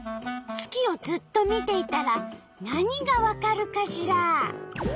月をずっと見ていたら何がわかるかしら？